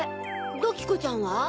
ドキコちゃんは？